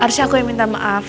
harusnya aku yang minta maaf